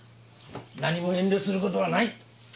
何も遠慮する事はない。